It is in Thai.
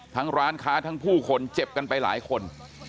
ร้านค้าทั้งผู้คนเจ็บกันไปหลายคน